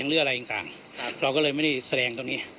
ยังเลือกอะไรอย่างกลางครับครับเราก็เลยไม่ได้แสดงตรงนี้